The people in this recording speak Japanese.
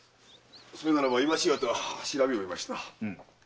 それならば今しがた調べ終えました。